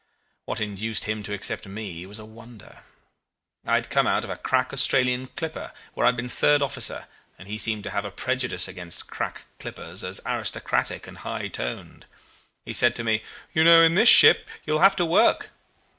What induced him to accept me was a wonder. I had come out of a crack Australian clipper, where I had been third officer, and he seemed to have a prejudice against crack clippers as aristocratic and high toned. He said to me, 'You know, in this ship you will have to work.